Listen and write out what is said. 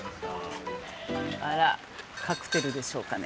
あらカクテルでしょうかね